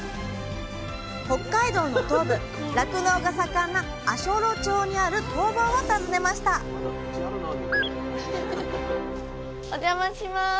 北海道の東部酪農が盛んな足寄町にある工房を訪ねましたおじゃまします。